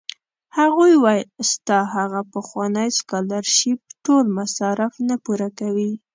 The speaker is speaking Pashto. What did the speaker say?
هغوی ویل ستا هغه پخوانی سکالرشېپ ټول مصارف نه پوره کوي.